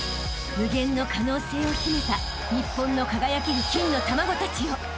［無限の可能性を秘めた日本の輝ける金の卵たちよ］